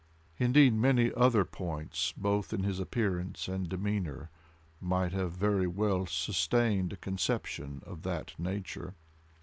Indeed, many other points both in his appearance and demeanor might have very well sustained a conception of that nature.